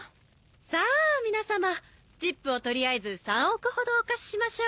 さあ皆さまチップを取りあえず３億ほどお貸ししましょう。